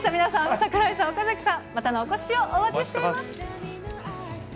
桜井さん、岡崎さん、またのお越しをお待ちしています。